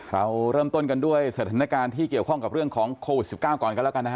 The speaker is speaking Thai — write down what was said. เราเริ่มต้นกันด้วยสถานการณ์ที่เกี่ยวข้องกับเรื่องของโควิด๑๙ก่อนกันแล้วกันนะฮะ